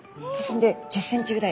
１０ｃｍぐらい。